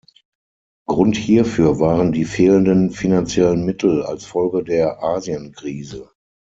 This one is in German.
Grund hierfür waren die fehlenden finanziellen Mittel als Folge der Asienkrise.